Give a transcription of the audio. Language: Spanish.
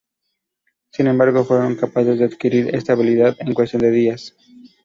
Sin embargo, fueron capaces de adquirir esta habilidad en cuestión de días.